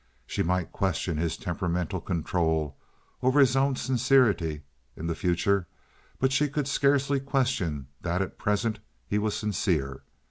She might question his temperamental control over his own sincerity in the future, but she could scarcely question that at present he was sincere.